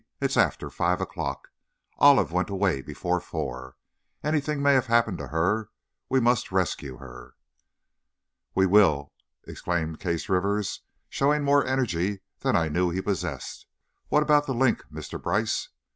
It's after five o'clock, Olive went away before four, anything may have happened to her we must rescue her!" "We will!" exclaimed Case Rivers, showing more energy than I knew he possessed. "What about 'The Link,' Mr. Brice?"